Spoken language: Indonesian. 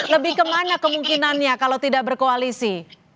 lebih ke mana kemungkinannya kalau tidak berkoalisi